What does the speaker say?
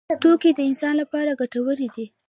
توکي د انسان لپاره ګټور دي.